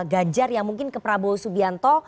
ganjar yang mungkin ke prabowo subianto